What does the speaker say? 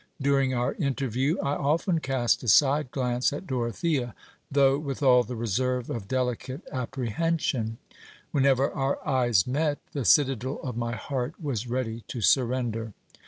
During our interview, I often cast a side glance at Dorothea, though with all the reserve of delicate apprehension ; whenever our eyes met, the citadel of my heart was ready to surrender.